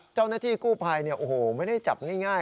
เจ้านักที่กู้ภัยเนี่ยโอ้โหไม่ได้จับง่าย